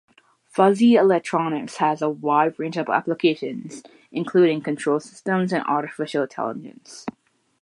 Fuzzy electronics has a wide range of applications, including control systems and artificial intelligence.